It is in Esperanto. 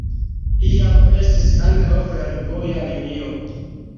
Iam estis ankaŭ fervoja linio.